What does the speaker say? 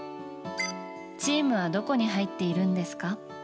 チームはどこに入っているんですか。